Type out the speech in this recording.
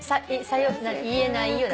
「言えないよ」